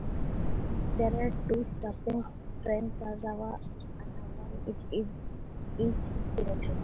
There are two stopping trains an hour an hour in each direction.